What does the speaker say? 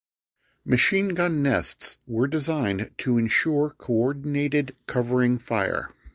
Machine gun nests were designed to ensure coordinated covering fire.